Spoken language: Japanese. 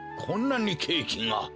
こんなにケーキが！